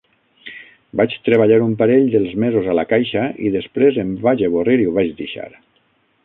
Vaig treballar un parell dels mesos a la caixa i després em vaig avorrir i ho vaig deixar.